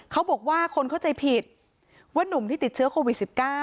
เขาบอกว่าคนเข้าใจผิดว่านุ่มที่ติดเชื้อโควิด๑๙